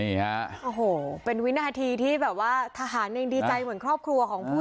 โอ้โหเป็นวินาทีที่แบบวะทหารเองดีใจเหมือนครอบครัวของคน